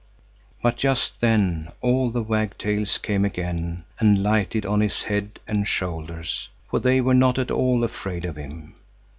But just then all the wagtails came again and lighted on his head and shoulders, for they were not at all afraid of him.